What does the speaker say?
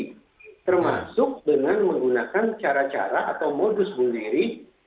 termasuk dengan menggunakan cara cara atau modus bunuh diri